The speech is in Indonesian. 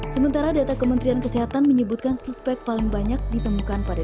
sementara data kementerian kesehatan menyebutkan suspek paling banyak ditemukan pada dua ribu tujuh belas